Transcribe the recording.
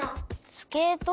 スケート？